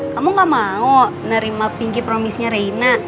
kamu gak mau nerima pinky promise nya reina